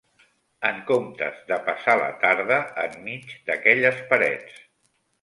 En comptes de passar la tarde en mig d'aquelles parets